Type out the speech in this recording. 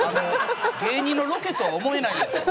芸人のロケとは思えないですよ。